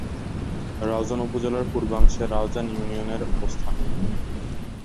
রাউজান উপজেলার পূর্বাংশে রাউজান ইউনিয়নের অবস্থান।